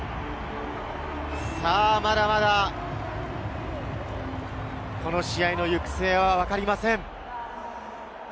まだまだこの試合の行く末はわかりません。